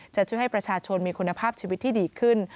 จะช่วยให้ประชาชนมีคุณภาพชีวิตที่ดีขึ้น